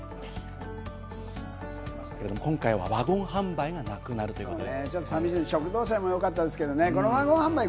今回はワゴン販売がなくなるということでね。